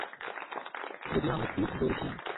যদিও আমরা কিউট জোড়ি ছিলাম।